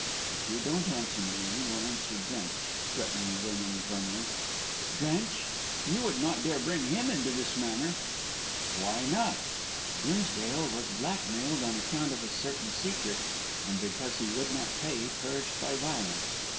"If you don't answer me you will answer Drench," threatened Vernon firmly. "Drench? You would not dare to bring him into this matter?" "Why not? Dimsdale was blackmailed on account of a certain secret, and, because he would not pay, perished by violence.